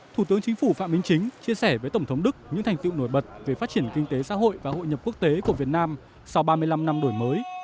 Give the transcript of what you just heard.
thủ tướng chính phủ phạm minh chính chia sẻ với tổng thống đức những thành tiệu nổi bật về phát triển kinh tế xã hội và hội nhập quốc tế của việt nam sau ba mươi năm năm đổi mới